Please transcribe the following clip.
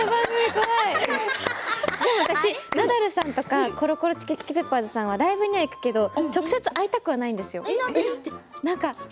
私、ナダルさんとかコロコロチキチキペッパーズさんはライブには行くけど直接会いたくはないんですよ。